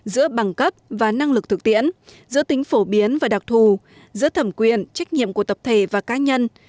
giữa bằng cấp và năng lực thực tiễn giữa tính phổ biến và đặc thù giữa thẩm quyền trách nhiệm của tập thể và cá nhân